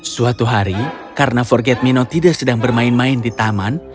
suatu hari karena forget mino tidak sedang bermain main di taman